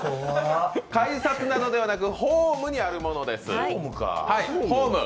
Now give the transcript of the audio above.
改札などではなくホームにあるものです。